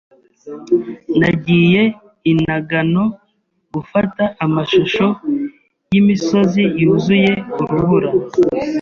Nagiye i Nagano gufata amashusho y'imisozi yuzuye urubura.